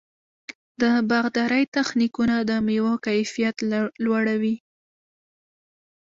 د باغدارۍ تخنیکونه د مېوو کیفیت لوړوي.